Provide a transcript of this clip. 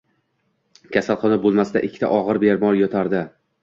Kasalxona boʻlmasida ikkita ogʻir bemor yotardi